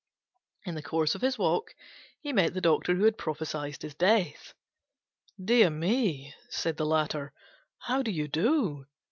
In the course of his walk he met the Doctor who had prophesied his death. "Dear me," said the latter, "how do you do?